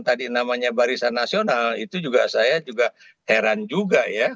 tadi namanya barisan nasional itu juga saya juga heran juga ya